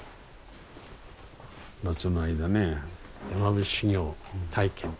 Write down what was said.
夏の間ね山伏修行体験。